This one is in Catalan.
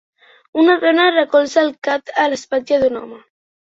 Una dona recolza el cap a l'espatlla d'un home.